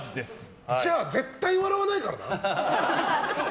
じゃあ、絶対笑わないからな！